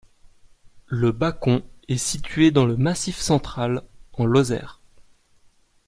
Le Bacon est situé dans le Massif central, en Lozère.